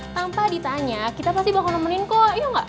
tanpa ditanya kita pasti bakal nemenin kok iya gak